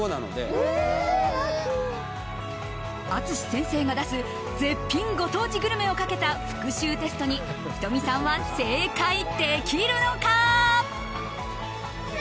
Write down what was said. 淳先生が出す絶品ご当地グルメをかけた復習テストに仁美さんは正解できるのか？